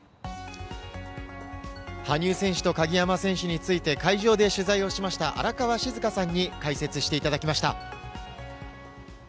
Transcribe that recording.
羽生選手と鍵山選手について会場で取材をしました荒川静香さんに解説していただきました。